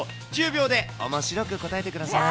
１０秒でおもしろく答えてください。